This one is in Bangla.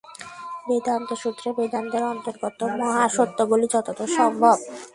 বেদান্তসূত্রে বেদান্তের অন্তর্গত মহাসত্যগুলি যতদূর সম্ভব স্বল্পাক্ষরে নিবদ্ধ আছে।